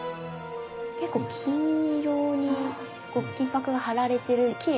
結構金色に金箔が貼られてるきれいな仏像さんですね。